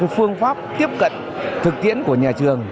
phương pháp tiếp cận thực tiễn của nhà trường